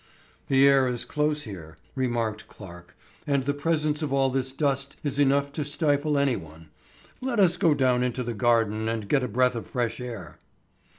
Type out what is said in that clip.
"The air is close here," remarked Clarke; "and the presence of all this dust is enough to stifle anyone. Let us go down into the garden and get a breath of fresh air."